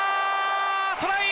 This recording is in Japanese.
トライ！